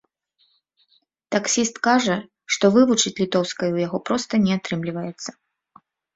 Таксіст кажа, што вывучыць літоўскаю ў яго проста не атрымліваецца.